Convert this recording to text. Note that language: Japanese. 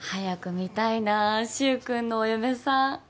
見たいなあ柊君のお嫁さん